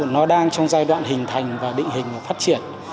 nó đang trong giai đoạn hình thành và định hình và phát triển